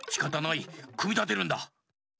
くみたてるんだ。